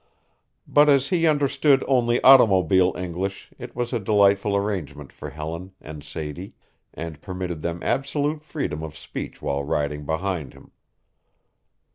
But as he understood only automobile English it was a delightful arrangement for Helen and Sadie, and permitted them absolute freedom of speech while riding behind him.